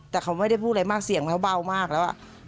แต่เขาไม่ได้พูดอะไรมากเสียงเขาเบามากแล้ว